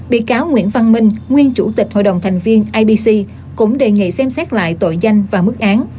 bị cáo nguyễn văn minh nguyên chủ tịch hội đồng thành viên ibc cũng đề nghị xem xét lại tội danh và mức án